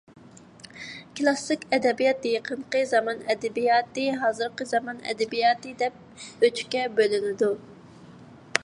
كلاسسىك ئەدەبىيات، يېقىنقى زامان ئەدەبىياتى، ھازىرقى زامان ئەدەبىياتى دەپ ئۆچكە بۆلۈنىدۇ.